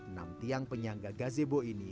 enam tiang penyangga gazebo ini